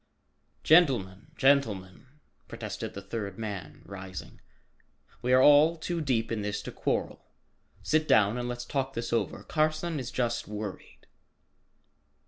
"Gentlemen, gentlemen!" protested the third man rising, "we are all too deep in this to quarrel. Sit down and let's talk this over. Carson is just worried."